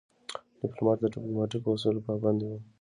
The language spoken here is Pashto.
ډيپلومات د ډیپلوماتیکو اصولو پابند وي.